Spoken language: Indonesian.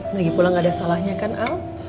lagi pulang gak ada salahnya kan al